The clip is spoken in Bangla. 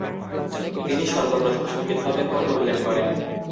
তিনি সর্বপ্রথম শহীদ হবেন বলে উল্লেখ করেন।